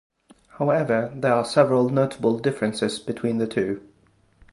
However, there are several notable differences between the two.